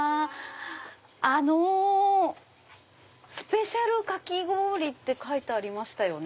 あのスペシャルかき氷って書いてありましたよね。